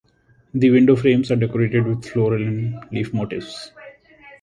The window frames are decorated with floral and leaf motifs.